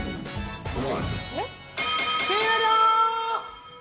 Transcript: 終了！